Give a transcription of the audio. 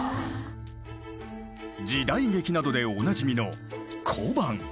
時代劇などでおなじみの小判。